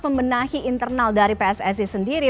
membenahi internal dari pssi sendiri